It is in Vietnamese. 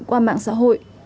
qua mạng xã hội